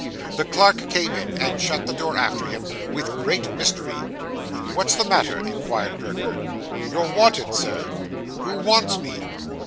The clerk came in, and shut the door after him, with great mystery. 'What's the matter?' inquired Perker. 'You're wanted, Sir.' 'Who wants me?